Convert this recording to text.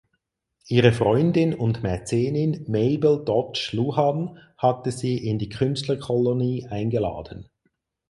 Ihre Freundin und Mäzenin Mabel Dodge Luhan hatte sie in die Künstlerkolonie eingeladen.